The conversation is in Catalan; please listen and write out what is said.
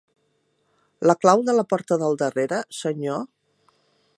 La clau de la porta del darrere, senyor?